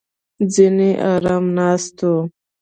ځینې ارامه ناست وو.